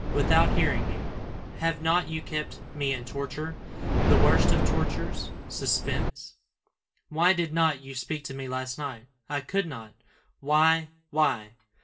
Without hearing you! Have not you kept me in torture, the worst of tortures suspense? Why did not you speak to me last night?" "I could not." "Why, why?"